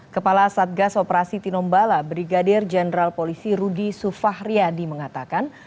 kepala satgas operasi tinombala brigadir jenderal polisi rudy sufahriyadi mengatakan